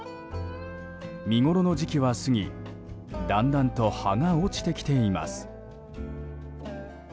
見ごろの時期は過ぎだんだんと葉が落ちてきています。